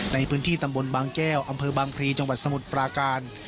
ในพื้นที่ตำบลบางแก้วอำเภอบางพลีจังหวัดสมุทรปราการ